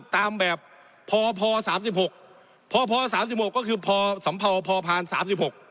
ตามแบบพพสามสิบหกพพสามสิบหกก็คือพสพพพสามสิบหก